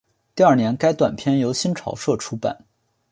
第二年该短篇由新潮社出版。